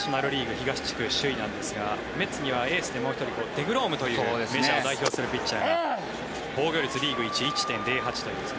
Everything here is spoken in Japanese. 東地区首位なんですがメッツにはエースにもう１人デグロムというメジャーを代表するピッチャーが防御率リーグ１位１．０８という。